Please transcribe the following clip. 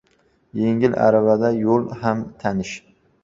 • Yengil aravada yo‘l ham tanish.